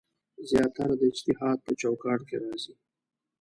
زیاتره د اجتهاد په چوکاټ کې راځي.